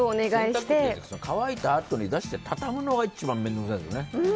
洗濯って、乾いたあとに出して畳むのが一番面倒くさいですよね。